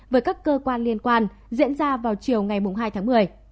với các cơ quan liên quan diễn ra vào chiều ngày hai tháng một mươi